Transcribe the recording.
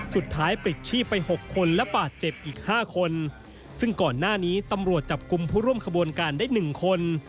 สุดท้ายปริกชีไป๖คนและปาดเจ็บอีก๕คนซึ่งก่อนหน้านี้ตำรวจจับกลุ่มผู้ร่วมขบวนการได้๑คน